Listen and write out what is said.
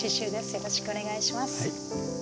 よろしくお願いします。